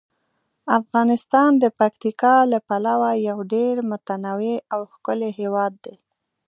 افغانستان د پکتیکا له پلوه یو ډیر متنوع او ښکلی هیواد دی.